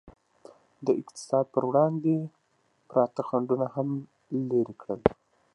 د اقتصاد پر وړاندې پراته خنډونه هم لرې کړل شول.